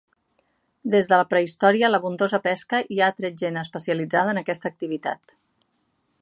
Des de la prehistòria, l'abundosa pesca hi ha atret gent especialitzada en aquesta activitat.